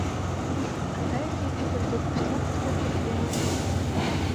Атай-әсәйҙе бөлдөрөп штраф түләп йөрөп булмай инде.